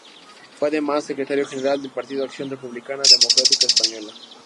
Fue, además, secretario general del partido Acción Republicana Democrática Española.